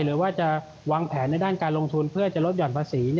หรือว่าจะวางแผนในด้านการลงทุนเพื่อจะลดห่อนภาษี